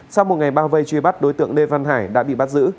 sau một ngày bao vây truy bắt đối tượng lê văn hải đã bị bắt giữ